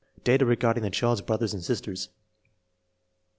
Data regarding the child's brothers and sisters.